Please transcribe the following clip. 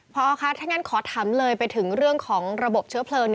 พอคะถ้างั้นขอถามเลยไปถึงเรื่องของระบบเชื้อเพลิง